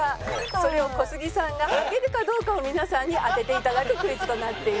それを小杉さんがはけるかどうかを皆さんに当てて頂くクイズとなっています。